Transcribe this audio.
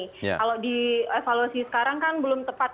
kalau di evaluasi sekarang kan belum tepat